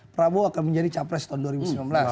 prabowo akan menjadi capres tahun dua ribu sembilan belas